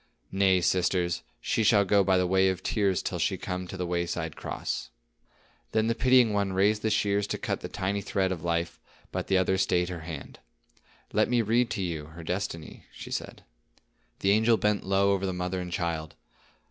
Nay, sisters, she shall go by the way of tears till she come to the wayside cross." Then the pitying one raised the shears to cut the tiny thread of life, but the other stayed her hand. "Let me read to you her destiny," she said. The angel bent low over the mother and child.